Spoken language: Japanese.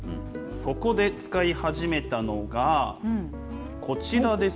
そこで使い始めたのが、こちらです。